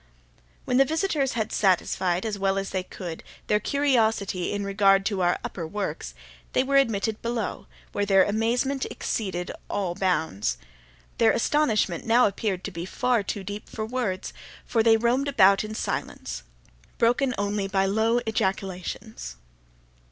When the visitors had satisfied, as well as they could, their curiosity in regard to our upper works, they were admitted below, when their amazement exceeded all bounds. Their astonishment now appeared to be far too deep for words, for they roamed about in silence, broken only by low ejaculations.